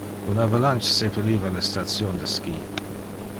Un avalanche sepeliva le station de ski.